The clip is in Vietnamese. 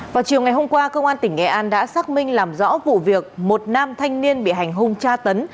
vào chiều ngày hôm qua công an tỉnh nghệ an đã xác minh làm rõ vụ việc một nam thanh niên bị hành hung tra tấn